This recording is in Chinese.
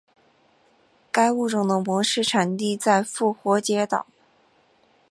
该物种的模式产地在复活节岛。